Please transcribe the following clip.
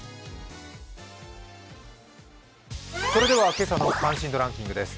今朝の関心度ランキングです。